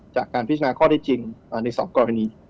จากการพิจารณาข้อได้จริงใน๒กรณี